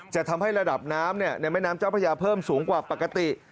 จะทำให้ระดับน้ำในแม่น้ำเจ้าพระยาเพิ่มสูงกว่าปกติ